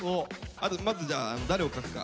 あとまずじゃあ誰を描くか。